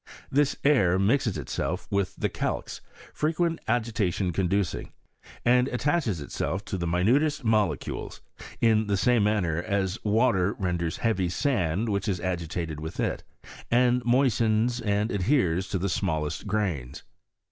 This air mixea itself with the calx (frequent agitation conducing), and attaches itself to the minutest molecules, in the same manner as water renders heavy sand which is agitated with it, and moistens and adheres to the smallest grains."